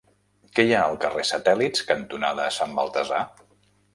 Què hi ha al carrer Satèl·lits cantonada Sant Baltasar?